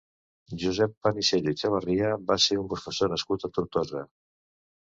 Josep Panisello i Chavarria va ser un professor nascut a Tortosa.